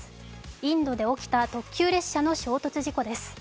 インドで起きた特急列車の衝突事故です。